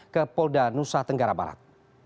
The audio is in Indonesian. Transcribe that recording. ke polda nusa tenggara barat